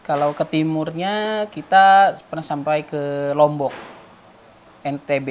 kalau ke timurnya kita pernah sampai ke lombok ntb